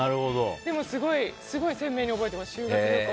でもすごい鮮明に覚えてます。